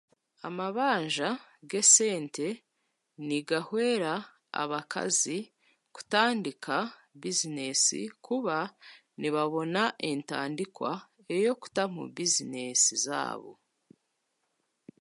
Amabanja g'esente nigahwera abakazi kutandika bizinesi kuba nibabona entadikwa eyokuta mu bizinesi zaabo.